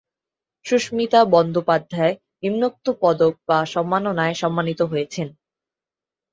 সুস্মিতা বন্দ্যোপাধ্যায় নিম্নোক্ত পদক বা সম্মাননায় সম্মানিত হয়েছেন-